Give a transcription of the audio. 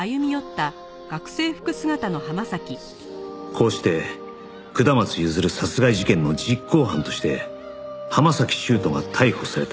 こうして下松譲殺害事件の実行犯として浜崎修斗が逮捕された